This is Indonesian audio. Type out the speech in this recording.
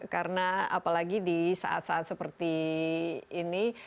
karena apalagi di saat saat seperti ini